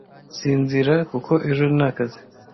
sinzira kuko ejo ni akazi